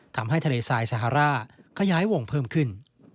ทำให้ทะเลทรายสฮาร่าขยายวงเพิ่มขึ้น